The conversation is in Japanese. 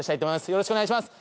よろしくお願いします。